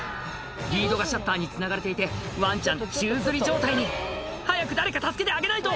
リードがシャッターにつながれていてワンちゃん宙づり状態に早く誰か助けてあげないと！